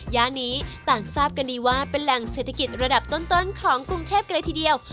ย่านนี้ต่างทราบกันดีว่าเป็นแหล่งเศรษฐกิจระดับต้นของกรุงเทพกันเลยทีเดียว